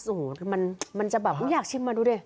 โอ้โหมันมันจะแบบอุ๊ยอยากชิมมาดูดิ